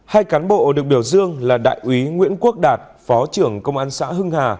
hai cán bộ được biểu dương là đại úy nguyễn quốc đạt phó trưởng công an xã hưng hà